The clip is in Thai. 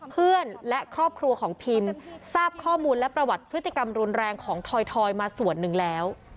เพื่อนและครอบครัวของพินทราบข้อมูลและประวัติพฤติกรรมรุนแรงของถอยมาส่วนหนึ่งแล้ว